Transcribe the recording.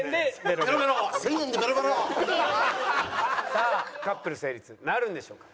さあカップル成立なるんでしょうか？